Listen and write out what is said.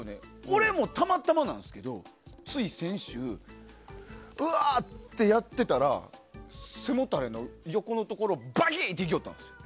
俺もたまたまなんですけどつい先週うわあってやってたら背もたれの横のところバキッ！っていきよったんですよ。